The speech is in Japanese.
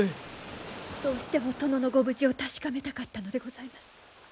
どうしても殿のご無事を確かめたかったのでございます。